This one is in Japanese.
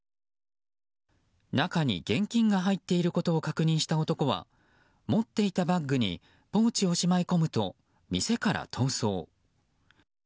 中に現金が入っていることを確認した男は持っていたバッグにポーチをしまい込むと店から逃走。